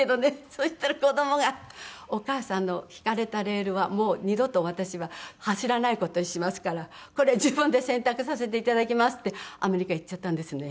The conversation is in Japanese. そしたら子供がお母さんの敷かれたレールはもう二度と私は走らない事にしますからこれ自分で選択させて頂きますってアメリカ行っちゃったんですね。